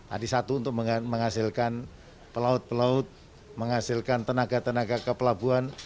ada satu untuk menghasilkan pelaut pelaut menghasilkan tenaga tenaga kepelabuhan